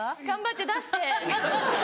頑張って出して。